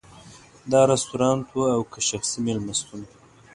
دا رستورانت و او که شخصي مېلمستون.